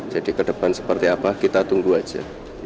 jadi ke depan seperti apa kita tunggu aja